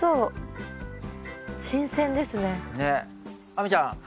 亜美ちゃん。